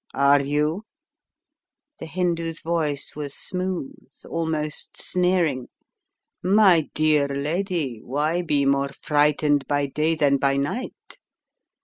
"Are you?" the Hindoo's voice was smooth, al most sneering. "My dear lady, why be more frightened by day than by night?